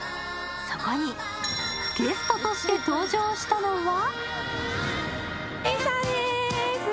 そこにゲストとして登場したのは？